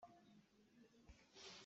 Leng ah a ṭhu ko.